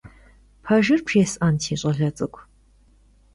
Pejjır bjjês'en, si ş'ale ts'ık'u?